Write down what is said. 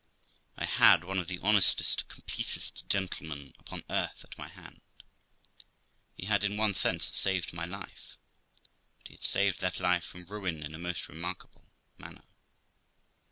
I had one of the honestest, completest gentlemen upon earth at my hand. He had in one sense saved my life, but he had saved that life from ruin in a most remarkable, manner.